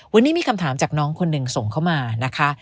วันนี้มีคำถามจากน้องคนหนึ่งส่งเข้ามานะคะ